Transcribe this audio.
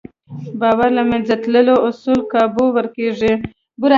باور له منځه تللی، اصول کابو ورکېږي.